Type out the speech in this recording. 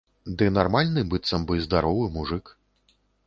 Ды нармальны быццам бы здаровы мужык.